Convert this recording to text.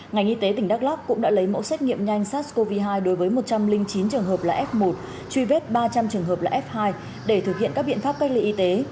ngành y tế tỉnh đắk lắc cũng đã lấy mẫu xét nghiệm nhanh sars cov hai đối với một trăm linh chín trường hợp là f một truy vết ba trăm linh trường hợp là f hai để thực hiện các biện pháp cách ly y tế